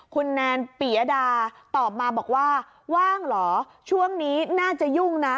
คุณแนนปียดาตอบมาบอกว่าว่างเหรอช่วงนี้น่าจะยุ่งนะ